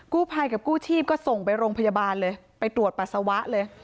ภัยกับกู้ชีพก็ส่งไปโรงพยาบาลเลยไปตรวจปัสสาวะเลย